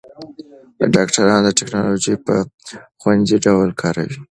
ډاکټران ټېکنالوژي په خوندي ډول کاروي.